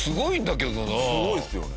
すごいですよね。